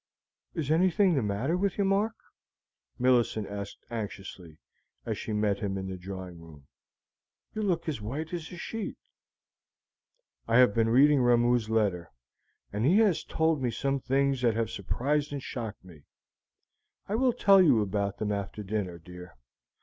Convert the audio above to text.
"Is anything the matter with you, Mark?" Millicent asked anxiously, as she met him in the drawing room; "you look as white as a sheet." "I have been reading Ramoo's letter, and he has told me some things that have surprised and shocked me. I will tell you about them after dinner, dear.